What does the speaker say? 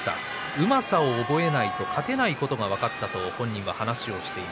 うまさを覚えないと勝てないということが分かったという話です。